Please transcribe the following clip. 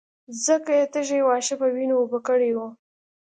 ځکه يې تږي واښه په وينو اوبه کړي وو.